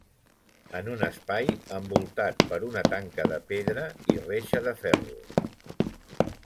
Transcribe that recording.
En un espai envoltat per una tanca de pedra i reixa de ferro.